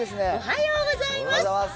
おはようございます。